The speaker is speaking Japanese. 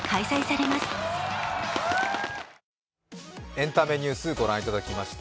エンタメニュースご覧いただきました。